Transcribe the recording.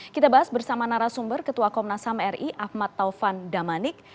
kita bahas bersama narasumber ketua komnas ham ri ahmad taufan damanik